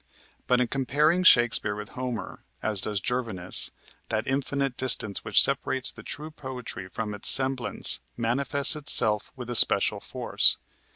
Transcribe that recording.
But in comparing Shakespeare with Homer, as does Gervinus, that infinite distance which separates true poetry from its semblance manifests itself with especial force.